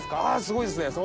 あすごいですね！